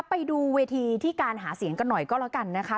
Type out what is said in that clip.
ไปดูเวทีที่การหาเสียงกันหน่อยก็แล้วกันนะคะ